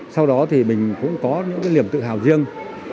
sau đó thì mình cũng có những niềm tự hào riêng